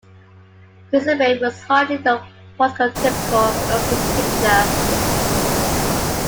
Quisenberry was hardly the prototypical closing pitcher.